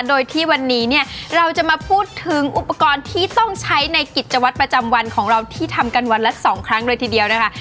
โดยที่วันนี้เนี่ยเราจะมาพูดถึงอุปกรณ์ที่ต้องใช้ในกิจวัตรประจำวันของเราที่ทำกันวันละ๒ครั้งเลยทีเดียวนะคะ